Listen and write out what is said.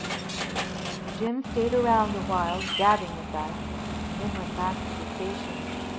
Jim stayed round a while gabbing with us, and then went back to the station.